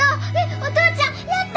お父ちゃんやった！